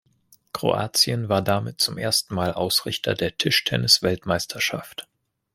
Kroatien war damit zum ersten Mal Ausrichter der Tischtennisweltmeisterschaft.